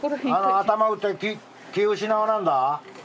頭打って気ぃ失わなんだ？